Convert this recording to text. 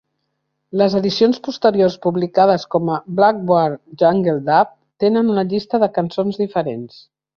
Les edicions posteriors publicades com a "Blackboard Jungle Dub" tenen una llista de cançons diferents.